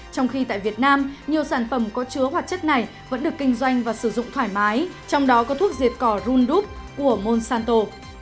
trong khi tại việt nam nhiều sản phẩm có chứa hoạt chất này vẫn được kinh doanh và sử dụng thoải mái trong đó có thuốc diệt cỏ rundup của monsanto